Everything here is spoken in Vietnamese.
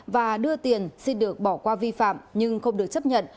và đưa tiền xin được bỏ qua vi phạm nhưng không được chấp nhận